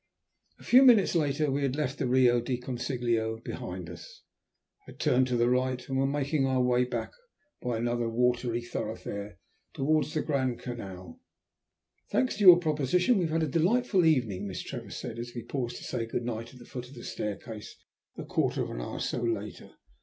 A few minutes later we had left the Rio del Consiglio behind us, had turned to the right, and were making our way back by another watery thoroughfare towards the Grand Canal. "Thanks to your proposition we have had a delightful evening," Miss Trevor said, as we paused to say good night at the foot of the staircase a quarter of an hour or so later.